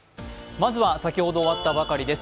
まずは先ほど終わったばかりです。